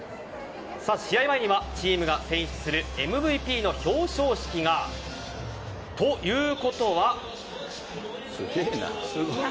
試合前には、チームが選出するＭＶＰの表彰式が。ということは。